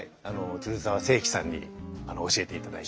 鶴澤清馗さんに教えていただいて。